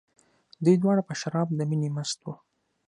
دوی دواړه په شراب د مینې مست وو.